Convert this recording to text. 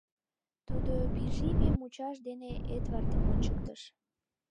Тудо пижиме мучаш дене Эдвардым ончыктыш.